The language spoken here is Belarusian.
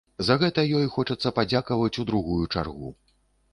За гэта ёй хочацца падзякаваць у другую чаргу.